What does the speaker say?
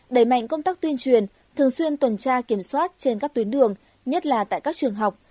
đẩy mạnh công tác tuyên truyền thường xuyên tuần tra kiểm soát trên các tuyến đường nhất là tại các trường học